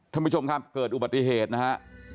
ท่านผู้ชมครับเกิดอุบัติเหตุนะฮะ